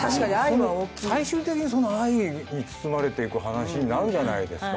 最終的にその愛に包まれていく話になるじゃないですか。